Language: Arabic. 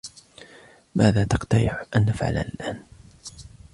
ماذا تقترحْ أن نفعل الآن؟